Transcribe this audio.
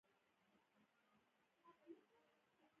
مور یې د څراغ په پاکولو او موږلو پیل وکړ.